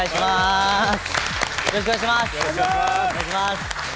よろしくお願いします！